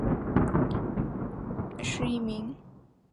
朴勍完是一名韩国男子棒球运动员。